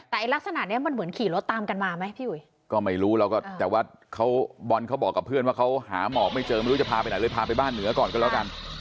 แต่ลักษณะเนี้ยมันเหมือนขี่รถตามกันมาไหมพี่อุ๋ยก็ไม่รู้เราก็แต่ว่าเขาบอลเขาบอกกับเพื่อนว่าเขาหาหมอกไม่เจอไม่รู้จะพาไปไหนเลยพาไปบ้านเหนือก่อนก็แล้วกัน